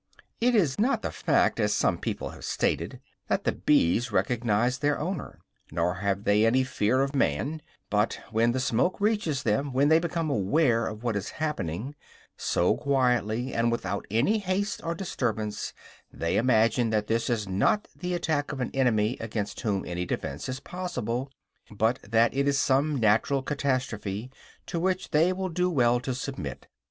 It is not the fact, as some people have stated, that the bees recognize their owner, nor have they any fear of man; but, when the smoke reaches them, when they become aware of what is happening, so quietly and without any haste or disturbance, they imagine that this is not the attack of an enemy against whom any defense is possible, but that it is some natural catastrophe, to which they will do well to submit.